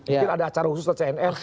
mungkin ada acara khusus atau cnr